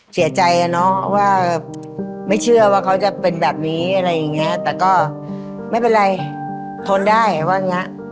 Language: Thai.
เสียใจอะเนาะว่าไม่เชื่อว่าเขาจะเป็นแบบนี้อะไรอย่างเงี้ยแต่ก็ไม่เป็นไรทนได้ว่าอย่างเงี้ย